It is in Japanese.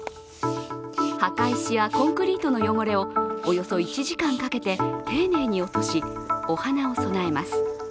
墓石やコンクリートの汚れをおよそ１時間かけて丁寧に落としお花を供えます。